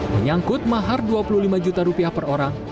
menyangkut mahar rp dua puluh lima juta per orang